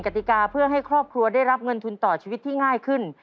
กติกาเพื่อให้ครอบครัวได้รับเงินทุนต่อชีวิตที่ง่ายขึ้น